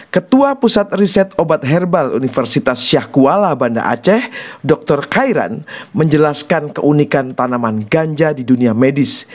ketua pusat riset obat herbal universitas syahkuala banda aceh dr khairan menjelaskan keunikan tanaman ganja di dunia medis